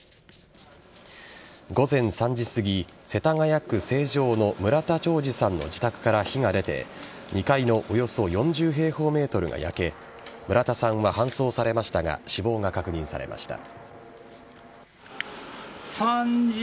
午前３時すぎ世田谷区成城の村田兆治さんの自宅から火が出て２階のおよそ４０平方ｍが焼け村田さんは搬送されましたが死亡が確認されました。